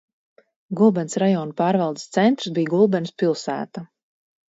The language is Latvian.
Gulbenes rajona pārvaldes centrs bija Gulbenes pilsēta.